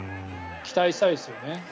期待したいですよね。